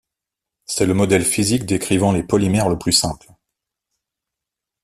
C'est le modèle physique décrivant les polymères le plus simple.